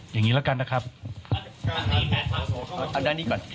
อย่างงี้ละกันนะครับอันด้านนี้ก่อนครับ